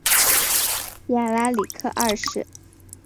亚拉里克二世。